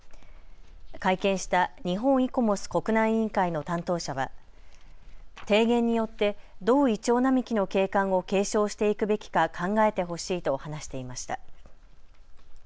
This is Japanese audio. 会見した日本イコモス国内委員会の担当者は、提言によってどうイチョウ並木の景観を継承していくべきか考えてほしいと話していました。